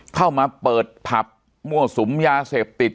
เข้ามาเปิดผับมั่วสุมยาเสพติด